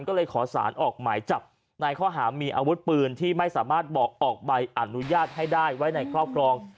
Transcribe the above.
ก็เลยขอสารออกหมายจับในข้อหามีอาวุธปืนที่ไม่สามารถบอกออกใบอนุญาตให้ได้ไว้ในครอบครอง